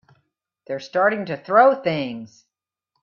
They're starting to throw things!